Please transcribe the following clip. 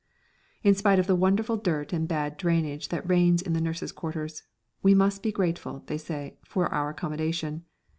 In spite of the wonderful dirt and bad drainage that reigns in the nurses' quarters, we must be grateful, they say, for our accommodation.